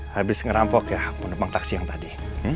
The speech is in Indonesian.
habis ngerampok ya penumpang taksi yang tadi